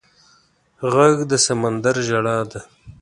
غږ د سمندر ژړا ده